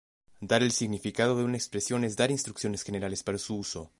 Dar el significado de una expresión es "dar instrucciones generales para su uso".